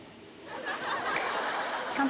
乾杯。